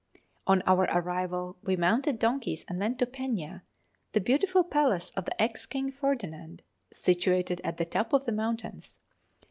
On our arrival we mounted donkeys and went to Peña, the beautiful palace of the ex King Ferdinand, situated at the top of the mountains.